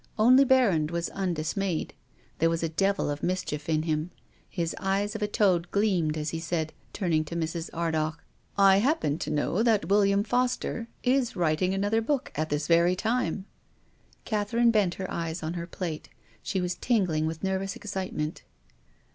Only Berrand was undismayed. There was a devil of mischief in him. His eyes of a toad gleamed as he said, turning to Mrs. Ar magh, " I happen to know that ' William Foster ' is writing another book at this very time." Catherine bent her eyes on her plate. She was tingling with nervous excitement.